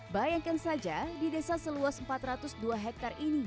bayangkan saja di desa seluas empat ratus dua hektare ini